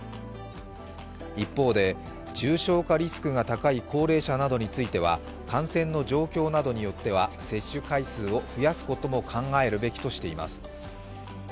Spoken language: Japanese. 一方で、重症化リスクが高い高齢者などについては、感染の状況などによっては接種回数を増やすことも考えるべきとしています。